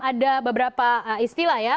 ada beberapa istilah ya